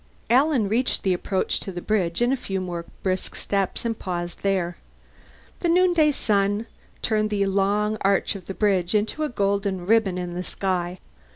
Alan reached the approach to the bridge in a few more brisk steps and paused there. The noonday sun turned the long arch of the bridge into a golden ribbon in the sky.